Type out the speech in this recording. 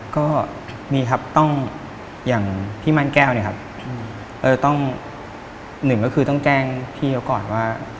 ก็มีครับต้องอย่างพี่ม่านแก้วต้องหนึ่งก็คือต้องแจ้งพี่เค้าก่อนว่า